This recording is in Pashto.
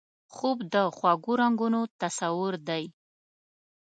خوب د خوږو رنګونو تصور دی